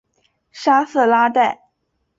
沙瑟拉代。